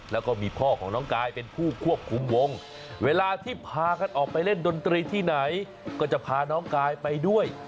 แล้วก็มีพ่อของน้องกายเป็นผู้ควบคุมวงเวลาที่พากันออกไปเล่นดนตรีที่ไหนก็จะพาน้องกายไปด้วย